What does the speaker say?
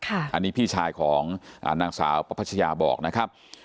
อันนี้พี่ชายของนางสาวประพัชยาบอกนะครับ